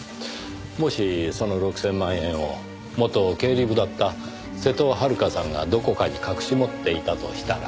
もしその６千万円を元経理部だった瀬戸はるかさんがどこかに隠し持っていたとしたら。